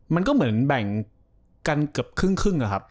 มันก็เหมือนแบ่งกันเกือบครึ่งอะครับ